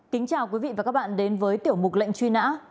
kính chào quý vị và các bạn đến với tiểu mục lệnh truy nã